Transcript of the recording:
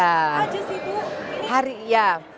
rajas sih bu